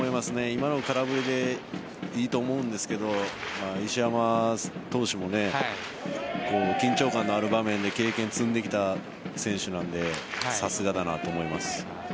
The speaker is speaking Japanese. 今の空振りでいいと思うんですけど石山投手も緊張感のある場面で経験を積んできた選手なのでさすがだなと思います。